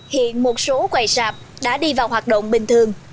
hiện một số quầy sạp đã đi vào hoạt động bình thường